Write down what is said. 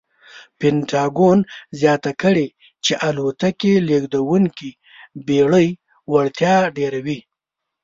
پنټاګون زیاته کړې چې الوتکې لېږدونکې بېړۍ وړتیا ډېروي.